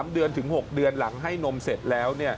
๓เดือนถึง๖เดือนหลังให้นมเสร็จแล้ว